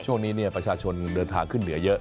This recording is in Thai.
ช่วงนี้ประชาชนเดินทางขึ้นเหนือเยอะ